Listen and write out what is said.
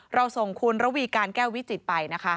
เราส่งคุณระวีการแก้ววิจิตรไปนะคะ